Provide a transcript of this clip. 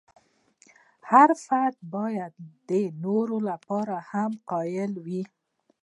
هر فرد باید د نورو لپاره هم قایل وي.